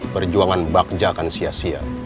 perjuangan bagja akan sia sia